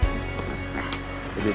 sebaiknya senyum laki laki